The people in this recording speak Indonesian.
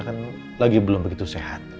kan lagi belum begitu sehat